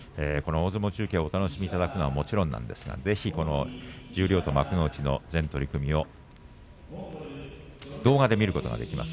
大相撲中継をお楽しみいただくのはもちろん十両と幕内の全取組を動画で見ることができます。